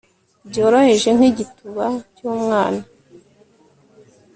byoroheje nk'igituba cy'umwana